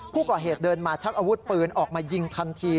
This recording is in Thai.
ผู้ก่อเหตุเดินมาชักอาวุธปืนออกมายิงทันที